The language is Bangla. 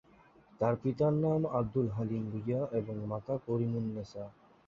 তার পিতার নাম আবদুল হালিম ভূঁইয়া এবং মাতা কারিমুন্নেছা।